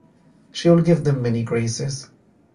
She will give them many graces.